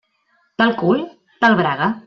Tal cul, tal braga.